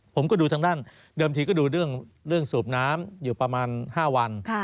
ผมก็ดูทางด้านเดิมทีก็ดูเรื่องสูบน้ำอยู่ประมาณ๕วัน